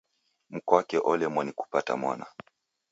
Mkwake olemwa ni kupata mwana